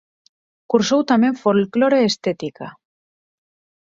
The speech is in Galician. Cursou tamén Folclore e Estética.